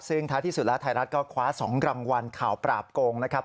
ซึ่งท้ายที่สุดแล้วไทยรัฐก็คว้า๒รางวัลข่าวปราบโกงนะครับ